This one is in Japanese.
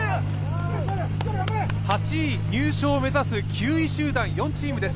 ８位入賞を目指す９位集団、４チームです。